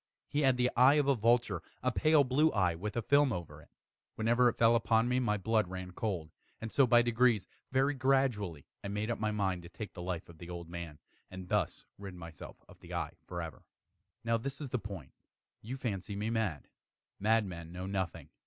He had the eye of a vulture a pale blue eye, with a film over it. Whenever it fell upon me, my blood ran cold; and so by degrees very gradually I made up my mind to take the life of the old man, and thus rid myself of the eye forever. Now this is the point. You fancy me mad. Madmen know nothing.